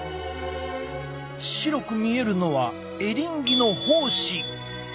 白く見えるのはエリンギの胞子。